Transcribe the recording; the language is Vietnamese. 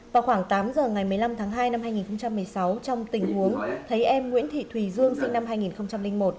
vào khoảng tám giờ ngày một mươi năm tháng hai năm hai nghìn một mươi sáu trong tình huống thấy em nguyễn thị thùy dương sinh năm hai nghìn một